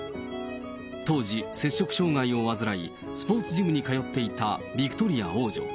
当時、摂食障害を患い、スポーツジムに通っていたビクトリア王女。